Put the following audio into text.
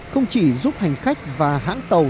không chỉ giúp hành khách và hãng tàu